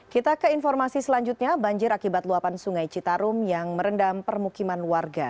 kita ke informasi selanjutnya banjir akibat luapan sungai citarum yang merendam permukiman warga